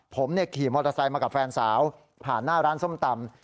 ผมขี่มอเตอร์ไซค์มากับแฟนสาวผ่านหน้าร้านส้มตำ